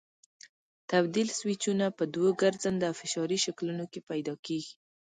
تبدیل سویچونه په دوو ګرځنده او فشاري شکلونو کې پیدا کېږي.